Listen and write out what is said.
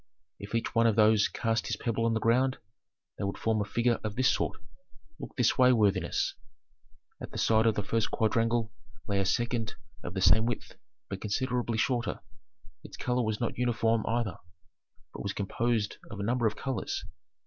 If each one of those cast his pebble on the ground, they would form a figure of this sort. Look this way, worthiness." At the side of the first quadrangle lay a second of the same width, but considerably shorter; its color was not uniform either, but was composed of a number of colors.